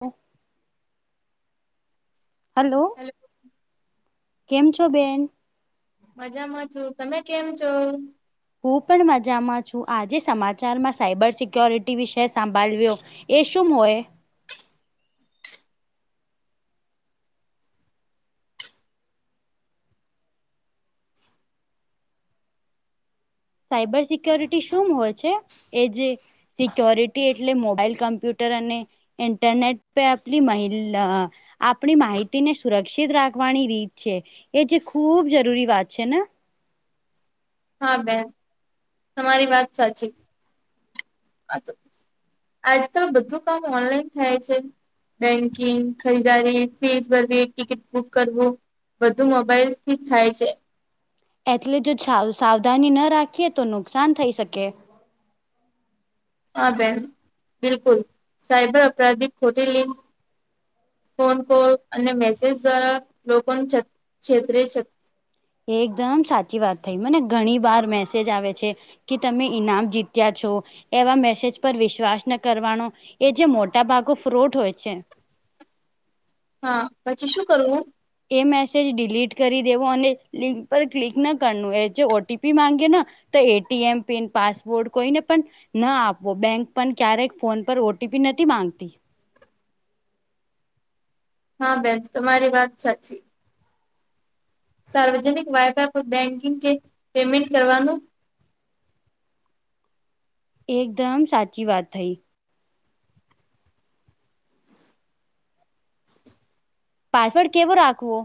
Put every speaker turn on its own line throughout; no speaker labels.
હ. Hello
hello
કેમ છો બેન.
મજામાં છું, તમે કેમ છો?
હું પણ મજામાં છું આજે સમાચારમાં સાયબર સિક્યોરિટી વિષય સાંભાલવ્યો. એ શું હોય. સાયબર સિક્યોરિટી શું હોય છે એ જે સિક્યોરિટી એટલે મોબાઈલ કમ્પ્યુટર અને ઇન્ટરનેટ પે આપલી મહિલા આપણી માહિતીને સુરક્ષિત રાખવાની રીત છે એ જે ખૂબ જરૂરી વાત છે ને.
હા બેન તમારી વાત સાચી. આજકાલ બધું કામ ઓનલાઈન થાય છે. બેંકિંગ ખરીદારી ફીઝ વર્ધી ટિકિટ બુક કરવું. બધું મોબાઈલ થી જ થાય છે.
એટલે જો છાવ સાવધાની ન રાખીએ તો નુકસાન થઈ શકે.
હા બેન બિલકુલ સાયબર અપરાધિક ખોટી લિક ફોન કોલ અને મેસેજ દ્વારા લોકો ન છત છેતરે છે.
એકદમ સાચી વાત થઈ મને ઘણી વાર મેસેજ આવે છે. કે તમે ઈનામ જીત્યા છો. એવા મેસેજ પર વિશ્વાસ ન કરવાનો એ જે મોટા ભાગો ફ્રોટ હોય છે.
હા પછી શું કરવું.
એ મેસેજ ડિલીટ કરી દેવો અને લિંક પર ક્લિક ના કરનું એ જે ઓટીપી માંગે ન તો એટીએમ પિન પાસવર્ડ કોઈને પણ ના આપવો બેંક પન ક્યારેક ફોન પર ઓટીપી નથી માંગતી.
હા બેન તમારી વાત સાચી. સાર્વજનિક વાયફાઈ પર બેન્કિંગ કે પેમેન્ટ કરવાનું.
એકદમ સાચી વાત થઈ. પાસવર્ડ કેવો રાખવો.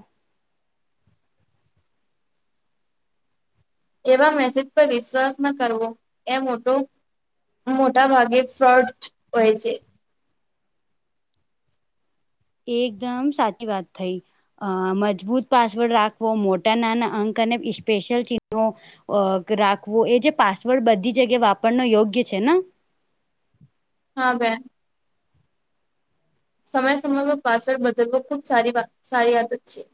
એવા મેસેજ પર વિશ્વાસ ન કરવો એ મોટો મોટા ભાગે ફ્રોડચ હોય છે.
એકદમ સાચી વાત થઈ. અ મજબૂત પાસવર્ડ રાખવો મોટા નાના અંક અને ઈ સ્પેશિયલ ચીન્હો અક રાખવું એ જે પાસવર્ડ બધી જગ્યાએ વાપરનો યોગ્ય છે ન.
હા બેન. સમય સમયમાં પાસવર્ડ બદલવો ખુબ સારી વાત સારી આદત છે.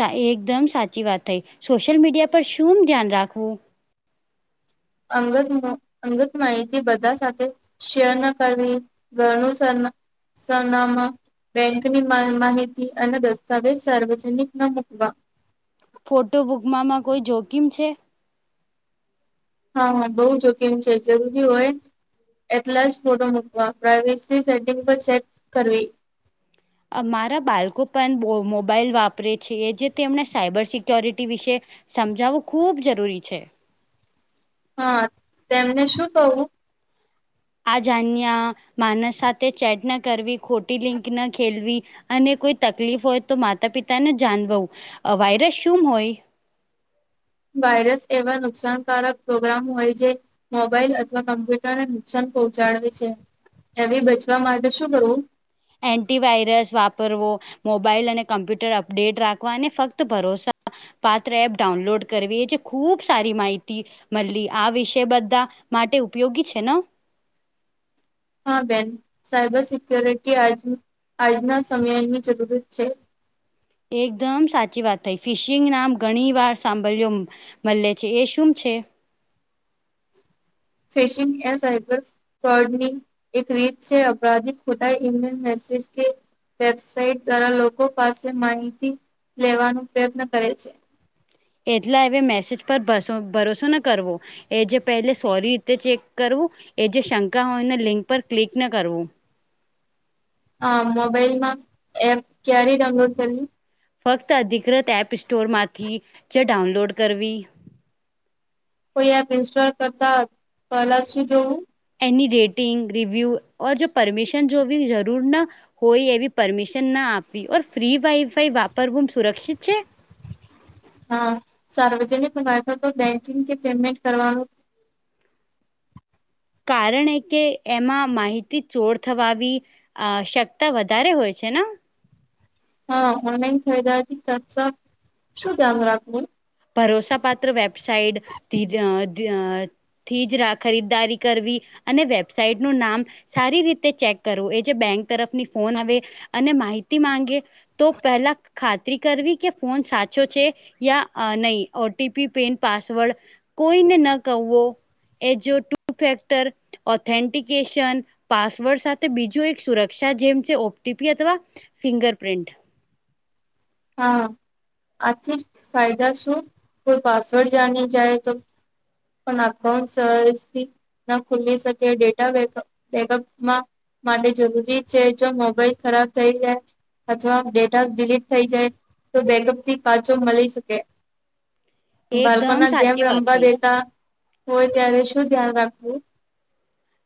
થા એકદમ સાચી વાત થઈ સોશિયલ મીડિયા પર શું ધ્યાન રાખવું.
અંગત મા અંગત માહિતી બધા સાથે શેર ના કરવી. ઘરનું સરના સરનામા બેંકની મા માહિતી અને દસ્તાવેજ સાર્વજનિક ન મુૂકવા.
ફોટો બુકમાંમાં કોઈ જોખીમ છે.
હા હા બહુ જોખીમ છે જરૂરી હોય. એટલા જ ફોટો મૂકવા પ્રઇવેસી સેટિંગ પર ચેક કરવી.
મારા બાળકો પણ મોબાઈલ વાપરે છે જે તેમણે સાયબર સિક્યોરિટી વિશે. સમજાવવું ખૂબ જરૂરી છે.
હા તેમને શું કવું.
આજણ્યા માનસ સાથે ચેટ ન કરવી ખોટી લિંક ન ખેલવી. અને કોઈ તકલીફ હોય તો માતા પિતાને જાણવવું વાયરસ શું હોય.
વાયરસ એવા નુકસાનકારક પ્રોગ્રામ હોય જે. મોબાઈલ અથવા કમ્પ્યુટર ને નુકસાન પહોંચાડવે છે. એ બચવા માટે શું કરવું.
એન્ટટી વાયરસ વાપરવો. મોબાઈલ અને કમ્પ્યુટર અપડેટ રાખવાને ફક્ત ભરોસાો. પાત્ર એપ ડાઉનલોડ કરવી એ જે ખૂબ સારી માહિતી. મલ્લી આ વિષય બધા માટે ઉપયોગી છે ને
હા બેન સાયબર સિક્યોરિટી આજ આજના સમયની જરૂરત છે.
એકદમ સાચી વાત થઈ ફિશિંગ નામ ઘણી વાર સાંભળ્યો. મળલે છે એ શું છે.
ફિશિંગ એસહેબ. ફ્રોડની એક રીત છે અપરાધી ખોટા ઈમેલ મેસેજ કે વેબસાઇટ દ્વારા લોકો પાસે માહિતી લેવાનો પ્રયત્ન કરે છે.
એટલા હવે મેસેજ પર ભરોસો ના કરવો એ જે પહેલે સોરી રીતે ચેક કરવું એ જે શંકા હોય એને લિંક પર ક્લિક ન કરવું.
હા મોબાઈલ માં એપ ક્યારે ડાઉનલોડ કરવી.
ફક્ત અધિકૃત એપ સ્ટોર માંથી જે ડાઉનલોડ કરવી.
કોઈ એપ ઇન્સ્ટોલ કરતા પહેલા શું જોવું.
એની રેટિંગ રીવ્યુ ઓ જો પરમિશન જો બી જરૂર ના. હોય એવી પરમિશન ના આપવી ઓર ફ્રી વાઈ ફાઈ વાપરવું સુરક્ષિત છે.
હા સાર્વજનિક વાફ તો બેંકિંગ કે પેમેન્ટ કરવાનું.
કારણ એ કે એમાં માહિતી ચોર થવા. અ શકતા વધારે હોય છે ને.
હા ઓનલાઈન ખરીદાથી ખર્ચા શું ધ્યાન રાખવું.
ભરોસાપત્ર વેબસાઇટ. થી જ રા ખરીદદારી કરવી અને વેબસાઇટ નું નામ. સારી રીતે ચેક કરવું એ જે બેંક તરફની ફોન આવે અને માહિતી માંગે. તો પહેલા ખાતરી કરવી કે ફોન સાચો છે યા. નહી ઓટીપી પિન પાસવર્ડ કોઈને ન કવો. એ જો ટુ ફેક્ટર. ઓથેન્ટિકેશન પાસવર્ડ સાથે બીજું એક સુરક્ષા જેમ છે ઓટીપી અથવા. ફિંગરપિન્ટ.
હા આથી ફાયદા શું કોઈ પાસવર્ડ જાની જાય તો. પણ અકાઉન્ટસ. ના ખુલી શકે ડેટા બેકપ બેકઅપમાં. માટે જરૂરી છે જો મોબાઈલ ખરાબ થઈ જાય અથવા ડેટા ડિલીટ. થઈ જાય તો બેગઅપ થી પાછો મળી શકે. બાળકો
એકદમ
ના ગેમ
સાચી વાત
રમવા
થઈ
દેતા હોય ત્યારે શું ધ્યાન રાખવું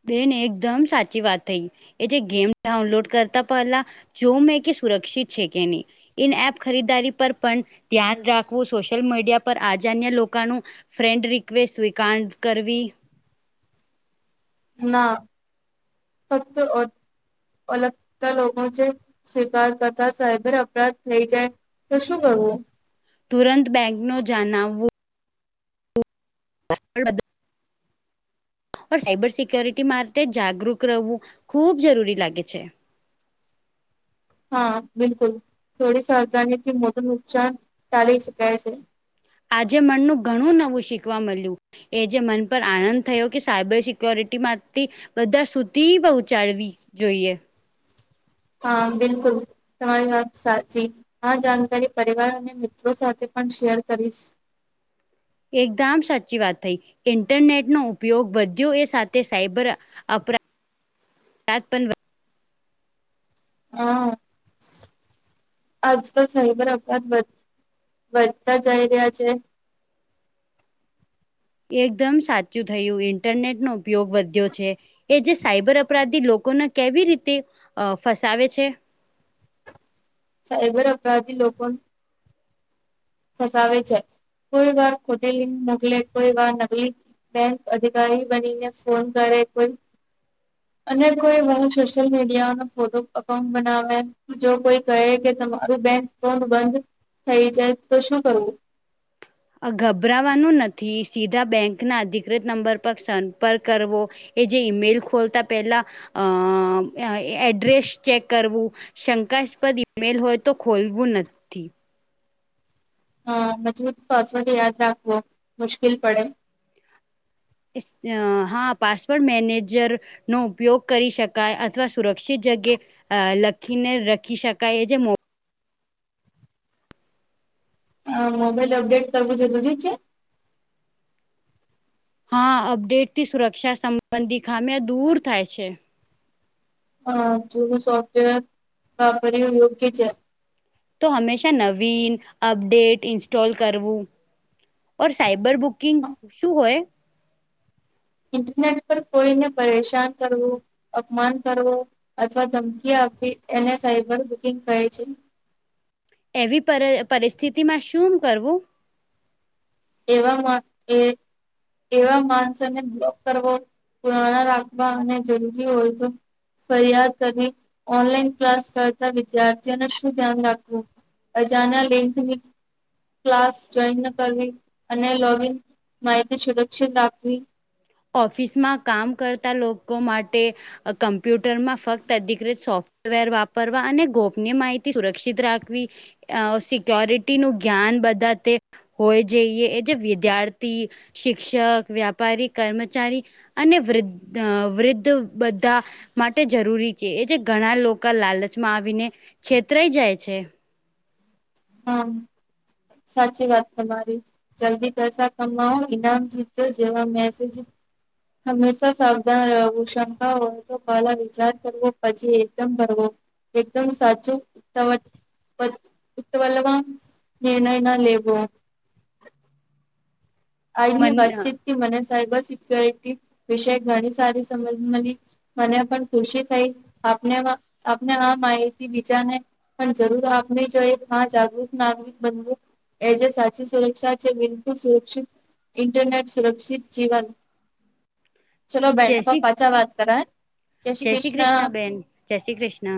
બેન એકદમ સાચી વાત થઈ એ જે ગેમ ડાઉનલોડ કરતા પહેલા. જો મેં કે સુરક્ષિત છે કે નહી. ઇન એપ ખરીદારી પર પણ ધ્યાન રાખવું સોશિયલ મીડિયા પર આજાન્ય લોકોનું. ફ્રેન્ડ રિક્વેસ્ટ સ્વીકારણ કરવી.
ના ફક્ત. અલગતા લોકો છે સ્વીકાર કરતા સાયબર અપરાધ થઈ જાય. તો શું કરવું.
તુરંત બેંક નો જણાવવો. બ [inaudible] [unintelligible] ઓ સાયબર સિક્યોરિટી માટે જાગૃત રહેવું ખૂબ જરૂરી લાગે છે.
હા બિલકુલ થોડી સહજાનીથી મોટ ઉપુચાર ટાલે શકાય છે.
આજે મનનું ઘણું નવું શીખવા મળ્યું. એ જે મન પર આનંદ થયો કે સાયબર સિક્યોરિટી માંથી. બધા સુતી પહોંચાડવી જોઈએ
હા બિલકુલ. તમારી વાત સાચી આ જાણકારી પરિવાર અને મિત્રો સાથે પણ શેર કરીશ.
એકદમ સાચી વાત થઈ ઇન્ટરનેટ નો ઉપયોગ બ્યો એ સાથે સાયબર. અપરા પણ.
હા. આજકાલ સાઈબર અપરાધ વધ વધતા જઈ રહ્યા છે.
એકદમ સાચું થયું ઇન્ટરનેટ નો ઉપયોગ વધ્યો છે એ જે સાયબર અપરાધી લોકોને કેવી રીતે ફસાવે છે.
સાયબર અપરાધી લોકો. ફસાવે છે કોઈ વાર ખોટેલી નકલે કોઈ વાર નકલી. બેંક અધિકારી બનીને ફોન કરે કોઈ. અને કોઈ બ સોશિયલ મીડિયાનો ફોટો અકાઉન્ટ બનાવે. જો કોઈ કહે કે તમારું બેંક અાઉન્ટ બંધ થઇ જાય તો શું કરવું.
ગભરાવાનું નથી સીધા બેંક ના અધિકૃત નંબર પર સંપર્ક કરવો. એ જે ઈમેલ ખોલતા પેલા અ એડ્રેસ ચેક કરવું. શંકાસ્પદ ઈમેલ હોય તો ખોલવું નથી.
હા બજું પાસવર્ડ યાદ રાખવો મુશ્કેલ પડે.
હા પાસવર્ડ મેનેજર. નો ઉપયોગ કરી શકાય અથવા સુરક્ષિત જગ્યા. અ લખીને રખી શકાય એ જે મો.
આ મોબાઈલ અપડેટ કર બુધી છે.
હા અપડેટથી સુરક્ષા સંબંધી ખામ્યા દૂર થાય છે.
હ જુ સોફ્ટવેર વાપરી યોગ્ય છે.
તો હંમેશા નવીન અપડેટ ઇન્સ્ટોલ કરવું ઓ સાયબર બુક. િંગ શું હોય [unintelligible] [inaudible]
ઇન્ટરનેટ પર કોઈને પરેશાન કરવું. અપમાન કરવો અથવા ધમકી આપવી એને સાયબર બુકિંગ કહે છે.
એવી પર પરિસ્થિતિ માં શું કરવું.
એમાં એ [inaudible] [unintelligible] એવા માણસોને બ્લોક કરવો પુરાણા રાખવા અને જરૂરી હોય તો. ફરિયાદ કરી ઓનલાઈન ક્લાસ કરતા વિદ્યાર્થીઓને શું ધ્યાન રાખવું. અજાના લેંકની ક્લાસ જોઈન કરવી. અને લોગન માહિતી સુરક્ષિત રાખવી.
ઓફિસમાં કામ કરતા લોકો માટે. કમ્પ્યુટર માં ફક્ત અધિકૃત સોફ્ટવેર વાપરવા અને ગોપની માહિતી સુરક્ષિત રાખવી. અ સિક્યોરિટી ન ગ્ઞન બધા તે. હોય જઈએ એ જે વિદ્યાર્થી શિક્ષક વ્યાપારી કર્મચારી. અને વૃદ્ધ વૃદ્ધ બધા. માટે જરૂરી છે એ જે ઘણા લોકો લાલચમાં આવીને છેતરાઈ જાય છે.
હમ સાચી વાત તમારી. જલ્દી પૈસા કમાવો ઈનામ જીત્યો જેવા મેસેજ. હંમેશા સાવધાન રહેવું શંકા હોય તો પહેલા વિચાર કરવો પછી એકદમ કરવો એકદમ સાચું તમે પર તમે લોકોન નિર્નય ન લેવો. આજની
મન
વાતચીત થી મને સાયબર સિક્યોરિટી વિશે ઘણી સારી સમજી મલી. મને પન ખુશી થઈ આપને આ આપને આ માહિતી બિચાને પન જરૂર આપને જો એક મહા જાગૃત નાગરિક બનવું. એ જે સાચી સુરક્ષા છે બિલકુલ સુરક્ષિત ઇન્ટરનેટ સુરક્ષિત જીવન. ચલો બેન
જય
અપા
શ્રી
પાછા વાત કરા હેન.
જય શ્રી ક્રિષ્ન બેન જય શ્રી ક્રિષ્ન.